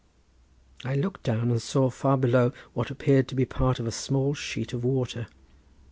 I looked down, and saw far below what appeared to be part of a small sheet of water.